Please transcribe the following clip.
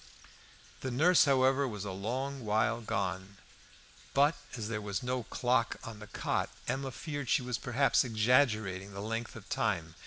The nurse, however, was a long while gone. But, as there was no clock in the cot, Emma feared she was perhaps exaggerating the length of time.